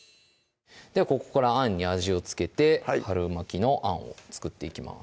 ではここからあんに味を付けて春巻きのあんを作っていきます